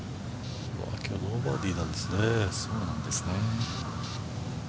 ノーバーディーなんですね。